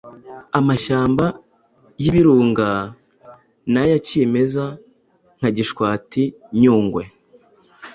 amashyamba y’Ibirunga n’aya kimeza nka Gishwati, Nyungwe